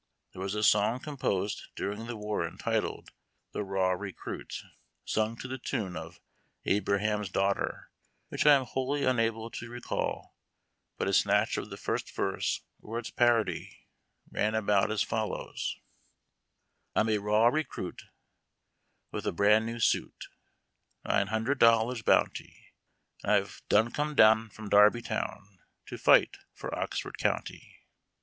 There was a song composed during the war, entitled the " Raw Recruit," sung to the tune of " Abraliam's Daughter," which I am wholly unable to re call, but a snatch of the first verse, or its parody, ran about as follows :— I'm a raw recruit, with a bran' newsnit, Nine hundred dollars bounty. And I've come down from Darbytown To tight for Oxford County.